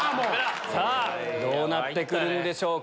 どうなってくるんでしょうか？